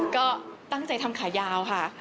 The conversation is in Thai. ก็ตั้งใจทำขายาวค่ะ